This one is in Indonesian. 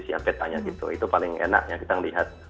siar petanya gitu itu paling enak yang kita lihat